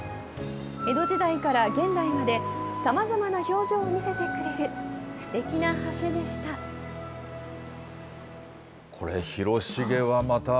江戸時代から現代まで、さまざまな表情を見せてくれるすてきな橋でした。